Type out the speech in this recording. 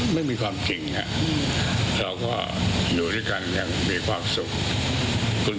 ไม่มีความจริงครับเราก็อยู่ด้วยกันอย่างมีความสุข